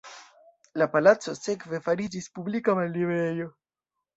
La palaco sekve fariĝis publika malliberejo.